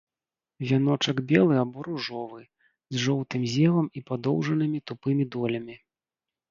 Вяночак белы або ружовы, з жоўтым зевам і падоўжанымі тупымі долямі.